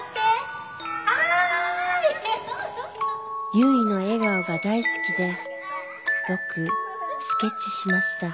結衣の笑顔が大好きでよくスケッチしました。